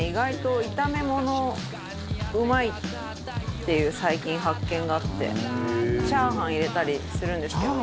っていう最近発見があってチャーハンに入れたりするんですけど。